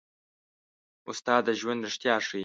استاد د ژوند رښتیا ښيي.